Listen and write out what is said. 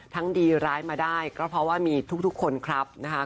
ดีร้ายมาได้ก็เพราะว่ามีทุกคนครับ